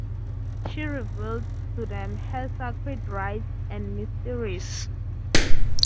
She revealed to them her sacred rites and mysteries.